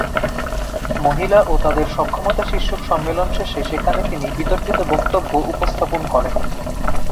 মহিলা ও তাদের সক্ষমতা শীর্ষক সম্মেলন শেষে সেখানে তিনি বিতর্কিত বক্তব্য উপস্থাপন করেন।